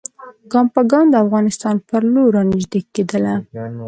ګام په ګام د افغانستان پر لور را نیژدې کېدله.